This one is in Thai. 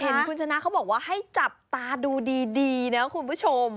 เห็นคุณชนะเขาบอกว่าให้จับตาดูดีนะคุณผู้ชม